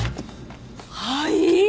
はい！？